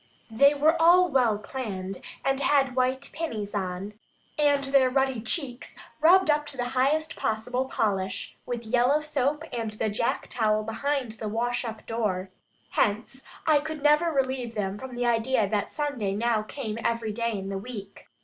They were all well "claned," and had white pinnies on, and their ruddy cheeks rubbed up to the highest possible polish, with yellow soap and the jack towel behind the wash up door. Hence, I never could relieve them from the idea that Sunday now came every day in the week.